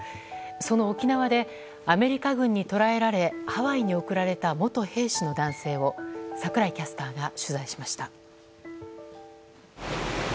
その沖縄でアメリカ軍に捕らえられハワイに送られた元兵士の男性を櫻井キャスターが取材しました。